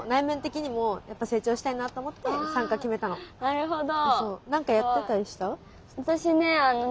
なるほど。